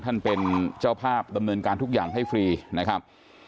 ท่านเป็นเจ้าภาพดำเนินการทุกอย่างให้ฟรีนะครับ